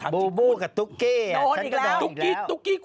บูบูกับตุ๊กกี้